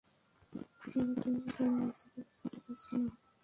মা তুমি কেন নিজেকে বোঝাতে পারছ না?